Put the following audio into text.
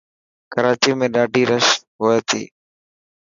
ڪراچي ۾ ڏاڌي رش هئي ٿي.